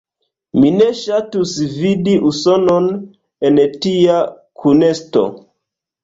Mi ne ŝatus vidi Usonon en tia kunesto.